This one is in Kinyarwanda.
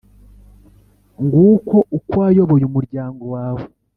nguko uko wayoboye umuryango wawe,